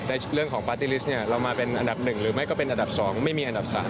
เรื่องของปาร์ตี้ลิสต์เรามาเป็นอันดับ๑หรือไม่ก็เป็นอันดับ๒ไม่มีอันดับ๓